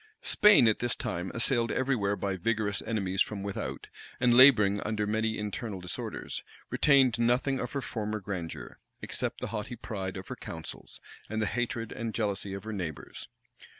Spain, at this time, assailed every where by vigorous enemies from without, and laboring under many internal disorders, retained nothing of her former grandeur, except the haughty pride of her counsels, and the hatred and jealousy of her neighbors.